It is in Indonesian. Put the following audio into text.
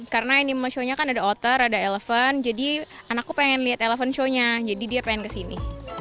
karena animal show nya kan ada otter ada elefant jadi anakku pengen lihat elefant show nya jadi dia pengen kesini